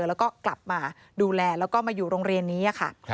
แล้วก็กลับมาดูแลแล้วก็มาอยู่โรงเรียนนี้ค่ะ